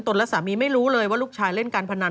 และสามีไม่รู้เลยว่าลูกชายเล่นการพนัน